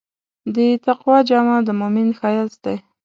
د تقوی جامه د مؤمن ښایست دی.